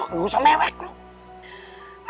enggak usah mewek loh